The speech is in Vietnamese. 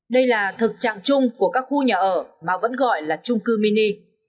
đây là thực trạng chung của các khu nhà ở mà vẫn gọi là trung cư mini